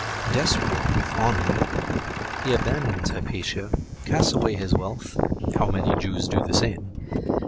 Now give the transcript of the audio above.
Desperate with ennui, he abandons Hypatia, casts away his wealth (how many Jews do the same!)